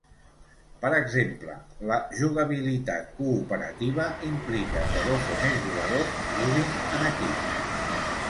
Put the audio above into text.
Per exemple, la jugabilitat "cooperativa" implica que dos o més jugadors juguin en equip.